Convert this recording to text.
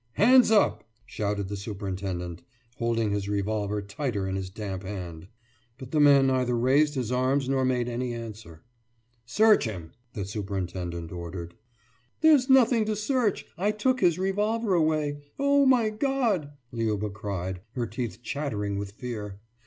»Hands up!« shouted the superintendent, holding his revolver tighter in his damp hand. But the man neither raised his arms nor made any answer. »Search him!« the superintendent ordered. »There's nothing to search! I took his revolver away. Oh, my God!« Liuba cried, her teeth chattering with fear.